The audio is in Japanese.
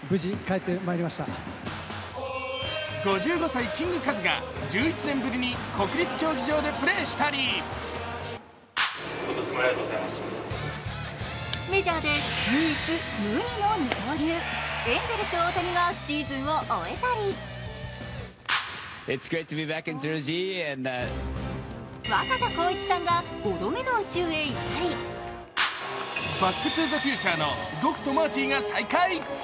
５５歳、キングカズが１１年ぶりに国立競技場でプレーしたりメジャーで唯一無二の二刀流、エンゼルス・大谷がシーズンを終えたり若田光一さんが５度目の宇宙へ行ったり「バック・トゥ・ザ・フューチャー」のドクとマーティが再会。